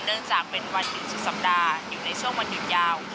เนื่องจากเป็นวันหยุดสุดสัปดาห์อยู่ในช่วงวันหยุดยาว